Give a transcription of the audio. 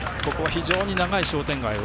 ここは非常に長い商店街。